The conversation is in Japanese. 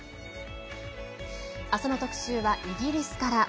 明日の特集はイギリスから。